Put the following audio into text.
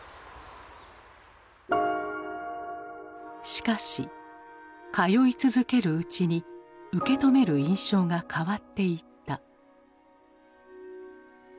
しかし通い続けるうちに受け止める印象が変わっていった。